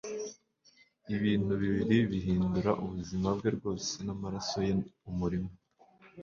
ibintu bibiri bihindura ubuzima bwe bwose n'amaraso ye umuriro